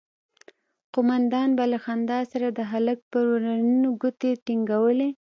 قومندان به له خندا سره د هلک پر ورنونو گوتې ټينگولې.